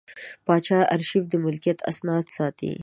پاچاهي ارشیف د ملکیت اسناد ساتي.